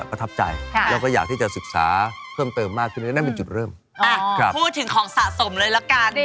ประทับใจแล้วก็อยากที่จะศึกษาเพิ่มเติมมากขึ้นนั่นเป็นจุดเริ่มพูดถึงของสะสมเลยละกัน